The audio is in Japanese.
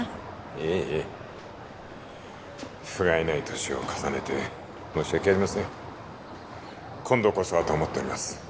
いえいえ不甲斐ない年を重ねて申し訳ありません今度こそはと思っております